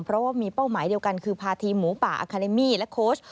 เพราะว่ามีเป้าหมายเดียวกันคือพาทีมหมูป่าอาคาเลมี่และโค้ช